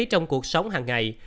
trong cuộc sống hàng ngày